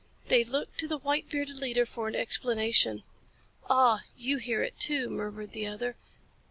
They looked to the white bearded leader for explanation. "Ah, you hear it too," murmured the other.